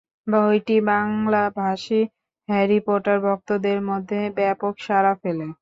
বইটি বাংলাভাষী Harry Potter ভক্তদের মধ্যে ব্যাপক সাড়া ফেলে।